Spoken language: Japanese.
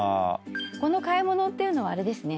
この買い物っていうのはあれですね。